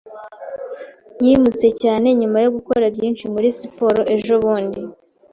Yimutse cyane nyuma yo gukora byinshi muri siporo ejobundi.